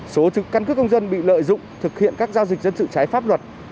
số căn cước công dân bị lợi dụng thực hiện các giao dịch dân sự trái pháp luật